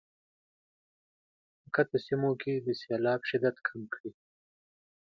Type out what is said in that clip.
په ښکته سیمو کې د سیلاب شدت کم کړي.